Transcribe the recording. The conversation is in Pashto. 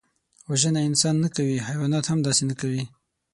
وژنه انسان نه کوي، حیوانات هم داسې نه کوي